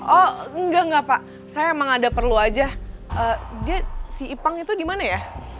oh enggak enggak pak saya emang ada perlu aja dia si ipang itu dimana ya